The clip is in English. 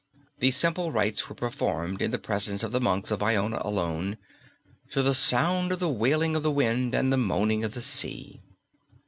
The simple rites were performed in the presence of the monks of Iona alone, to the sound of the wailing of the wind and the moaning of the sea.